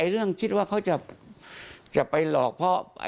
เรื่องคิดว่าเขาจะไปหลอกเพราะ